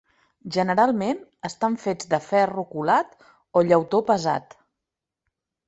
Generalment, estan fets de ferro colat o llautó pesat.